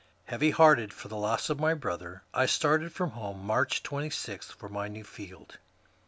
Heavy hearted for the loss of my brother, I started from home, March 26, for my new field.